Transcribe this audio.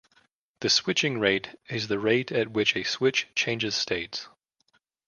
The switching rate is the rate at which a switch changes states.